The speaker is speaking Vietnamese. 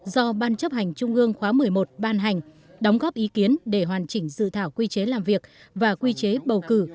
do ban chấp hành trung ương khóa một mươi một ban hành đóng góp ý kiến để hoàn chỉnh dự thảo quy chế làm việc và quy chế bầu cử